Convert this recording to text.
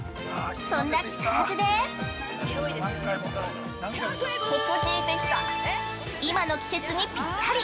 そんな木更津で今の季節にぴったり！